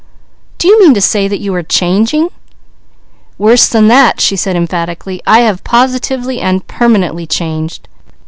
"Do you mean to say that you are changing?" "Worse than that!" she said emphatically. "I have positively and permanently changed.